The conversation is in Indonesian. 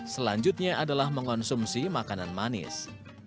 selanjutnya adalah mengonsumsi makanan manis